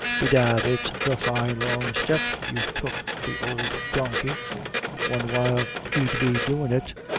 Bedad it's the fine long step you've took th'ould donkey; one while he'd be doin' it.